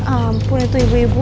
ampun itu ibu ibu